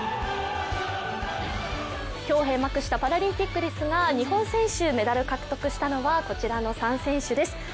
今日閉幕したパラリンピックですが日本選手、メダル獲得したのはこちらの３選手です。